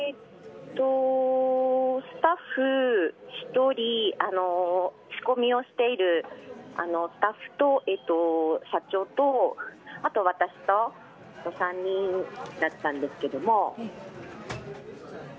スタッフ１人仕込みをしているスタッフと社長と、あと私と３人だったんですけれども。